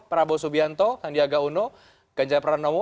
prabowo subianto sandiaga uno ganjar pranowo